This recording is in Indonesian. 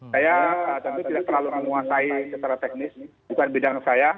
saya tentu tidak terlalu menguasai secara teknis bukan bidang saya